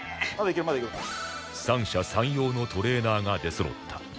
三者三様のトレーナーが出そろった